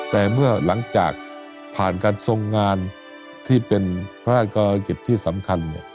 แต่เมื่อหลังจากผ่านการทรงงานที่เป็นพระราชกรกิจที่สำคัญ